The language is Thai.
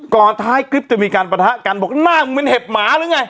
ท้ายคลิปจะมีการประทะกันบอกหน้าเหมือนเห็บหมาหรือไง